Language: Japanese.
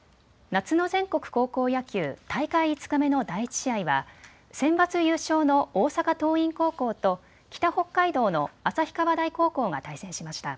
夏の全国高校野球大会５日目の第１試合はセンバツ優勝の大阪桐蔭高校と北北海道の旭川大高校が対戦しました。